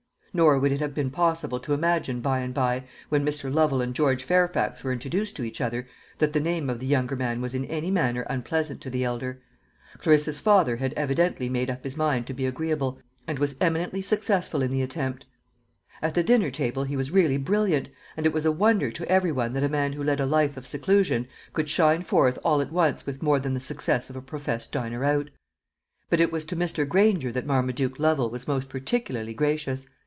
Nor would it have been possible to imagine by and by, when Mr. Lovel and George Fairfax were introduced to each other, that the name of the younger man was in any manner unpleasant to the elder. Clarissa's father had evidently made up his mind to be agreeable, and was eminently successful in the attempt. At the dinner table he was really brilliant, and it was a wonder to every one that a man who led a life of seclusion could shine forth all at once with more than the success of a professed diner out. But it was to Mr. Granger that Marmaduke Lovel was most particularly gracious.